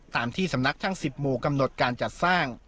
ตามที่สำนักทั้ง๑๐หมู่กำหนดการจัดสร้าง